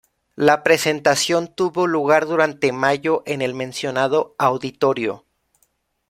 La presentación tuvo lugar durante mayo en el mencionado auditorio.